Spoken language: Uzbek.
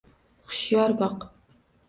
hushyor boq